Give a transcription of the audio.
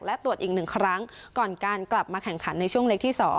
และตรวจอีก๑ครั้งก่อนการกลับมาแข่งขันในช่วงเล็กที่๒